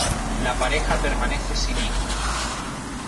La pareja permanece sin hijos.